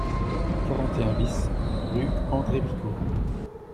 quarante et un BIS rue André Picaud